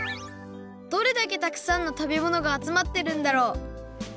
どれだけたくさんの食べ物があつまってるんだろう？